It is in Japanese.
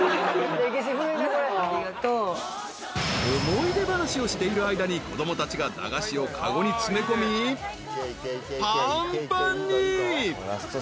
［思い出話をしている間に子供たちが駄菓子を籠に詰め込みぱんぱんに］